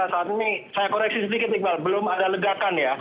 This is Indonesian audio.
saat ini saya koreksi sedikit iqbal belum ada ledakan ya